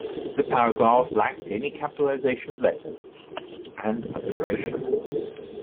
The paragraph lacked any capitalization of letters and punctuation.